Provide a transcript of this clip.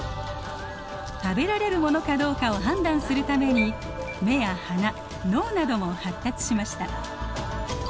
食べられるものかどうかを判断するために眼や鼻脳なども発達しました。